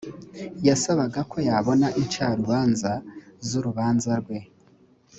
yasabaga ko yabona incarubanza z’urubanza rwe